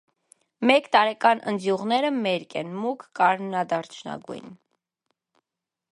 Մեկ տարեկան ընձյուղները մերկ են, մուգ կարմրադարչնագույն։